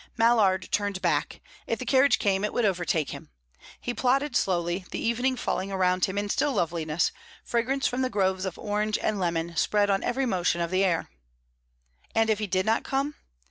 Mallard turned back; if the carriage came, it would overtake him. He plodded slowly, the evening falling around him in still loveliness, fragrance from the groves of orange and lemon spread on every motion of the air. And if he did not come?